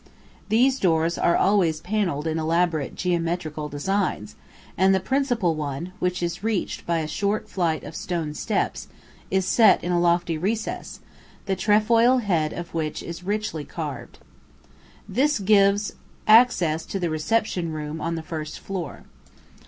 These doors are always panelled in elaborate geometrical designs, and the principal one, which is reached by a short flight of stone steps, is set in a lofty recess, the trefoil head of which is richly carved. This gives access to the reception room on the first floor.